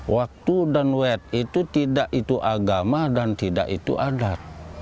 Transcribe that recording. waktu dan wet itu tidak itu agama dan tidak itu adat